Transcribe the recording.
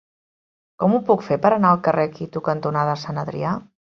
Com ho puc fer per anar al carrer Quito cantonada Sant Adrià?